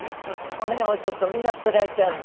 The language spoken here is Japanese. その辺置いておくとみんな捨てられちゃうんで。